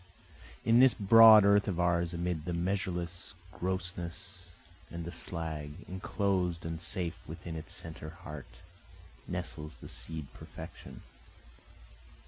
In this broad earth of ours, Amid the measureless grossness and the slag, Enclosed and safe within its central heart, Nestles the seed perfection.